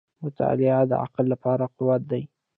• مطالعه د عقل لپاره قوت دی.